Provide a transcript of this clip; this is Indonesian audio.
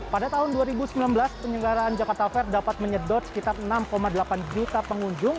pada tahun dua ribu sembilan belas penyelenggaraan jakarta fair dapat menyedot sekitar enam delapan juta pengunjung